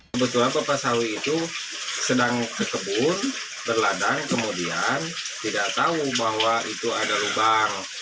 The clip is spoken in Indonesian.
kebetulan bapak sawi itu sedang ke kebun berladang kemudian tidak tahu bahwa itu ada lubang